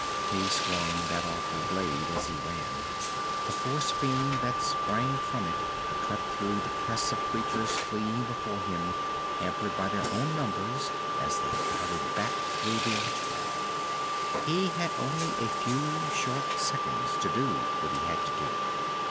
He swung that awful blade as he ran. The force beam that sprang from it cut through the press of creatures fleeing before him, hampered by their own numbers as they crowded back through the archway. He had only a few short seconds to do what he had to do.